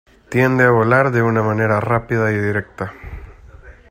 Tiende a volar de una manera rápida y directa.